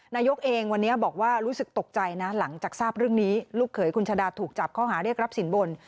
นายกเองวันนี้บอกว่ารู้สึกตกใจนะหลังจากทราบเรื่องนี้ลูกเขยคุณชาดาถูกจับข้อหาเรียกรับสินบน